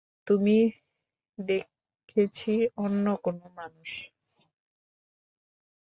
তুমি দেখেছি অন্য কোনো মানুষ?